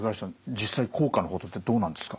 実際効果の程ってどうなんですか？